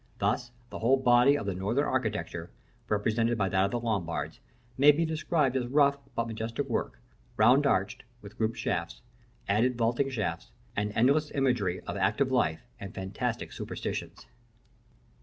Thus, the whole body of the Northern architecture, represented by that of the Lombards, may be described as rough but majestic work, round arched, with grouped shafts, added vaulting shafts, and endless imagery of active life and fantastic superstitions.